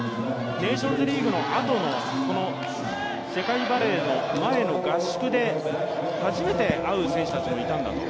ネーションズリーグのあとの世界バレーの前の合宿で初めて会う選手たちもいたんだと。